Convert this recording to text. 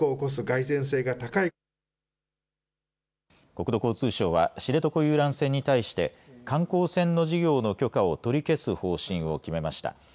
国土交通省は知床遊覧船に対して観光船の事業の許可を取り消す方針を決めました。